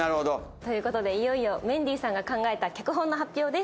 という事でいよいよメンディーさんが考えた脚本の発表です。